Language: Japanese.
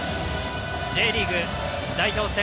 Ｊリーグ第４戦。